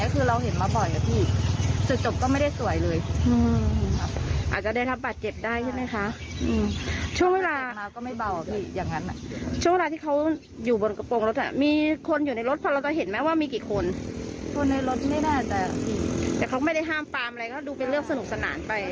ก็คือเล่นกันกลุ่มเพื่อน